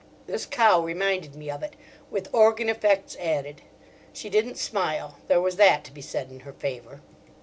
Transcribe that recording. This cow reminded me of it—with organ effects added. She didn't smile; there was that to be said in her favour.